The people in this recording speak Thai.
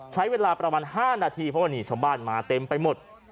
ใช้เวลาประมาณ๕นาทีเพราะวันนี้ชาวบ้านมาเต็มไปหมด